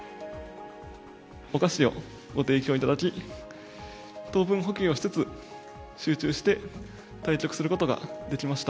お菓子をご提供いただき、糖分補給をしつつ、集中して対局することができました。